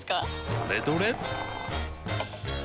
どれどれっ！